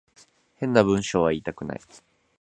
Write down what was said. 変な文章は言いたくない